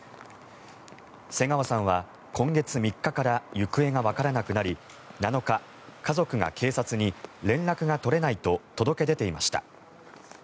瀬川さんは今月３日から行方がわからなくなり７日、家族が警察に連絡が取れないと届け出ていました。